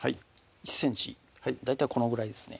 １ｃｍ大体このぐらいですね